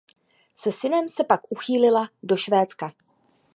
Se synem se pak uchýlila do Švédska.